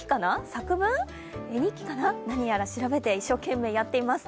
作文、絵日記かな、何やら調べて一生懸命やっています。